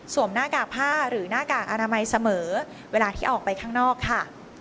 หน้ากากผ้าหรือหน้ากากอนามัยเสมอเวลาที่ออกไปข้างนอกค่ะ